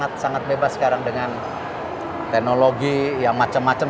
sangat sangat bebas sekarang dengan teknologi yang macam macam